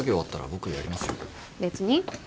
別に。